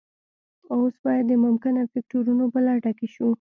اوس باید د ممکنه فکتورونو په لټه کې شو